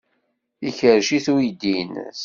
Ikerrec-it uydi-nnes.